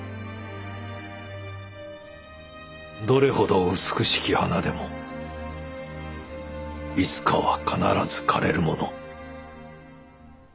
どれほど美しき花でもいつかは必ず枯れるもの。